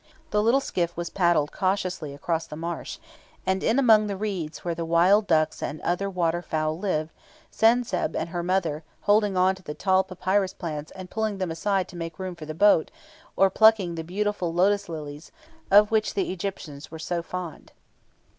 The little skiff was paddled cautiously across the marsh, and in among the reeds where the wild ducks and other waterfowl lived, Sen senb and her mother holding on to the tall papyrus plants and pulling them aside to make room for the boat, or plucking the beautiful lotus lilies, of which the Egyptians were so fond.